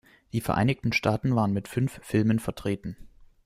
Die Vereinigten Staaten waren mit fünf Filmen vertreten.